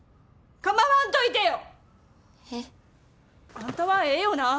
あんたはええよな。